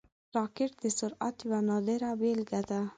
راکټ د سرعت یوه نادره بیلګه ده